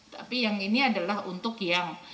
tapi yang ini adalah untuk yang